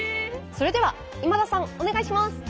それでは今田さんお願いします。